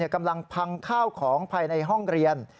กำลังพังข้าวของภายในห้องเรียน